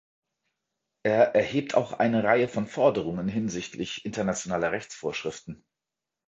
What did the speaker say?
Er erhebt auch eine Reihe von Forderungen hinsichtlich internationaler Rechtsvorschriften.